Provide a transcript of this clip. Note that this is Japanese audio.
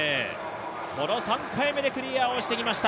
この３回目でクリアをしてきました。